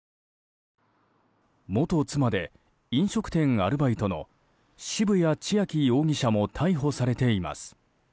元妻で飲食店アルバイトの渋谷千秋容疑者も逮捕されています。